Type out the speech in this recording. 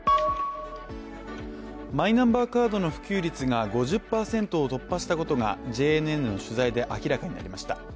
マイナンバーカードの普及率が５０％を突破したことがＪＮＮの取材で明らかになりました。